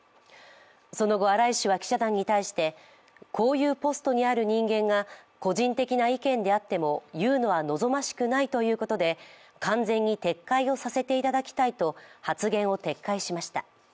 その後、荒井氏は記者団に対してこういうポストにある人間が個人的な意見であっても言うのは望ましくないということで完全に撤回をさせていただきたいと発言を撤回しました。